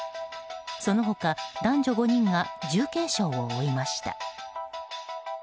その他、男女５人が重軽傷を負いました。